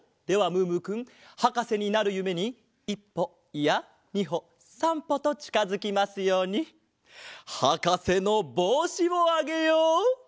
ではムームーくんはかせになるゆめに１ぽいや２ほ３ぽとちかづきますようにはかせのぼうしをあげよう！